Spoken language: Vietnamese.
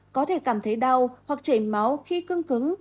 có thể cảm thấy đau hoặc chảy máu khi cương cứng